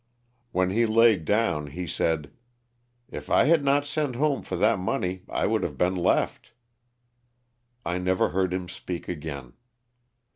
When he laid down he said: "If I had not sent home for that money I would have been left." I never heard him speak again.